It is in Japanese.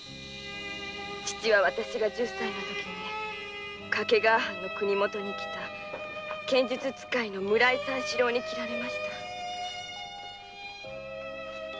父は私が十歳の時掛川藩の国もとに来た剣術使いの村井三四郎に斬られました。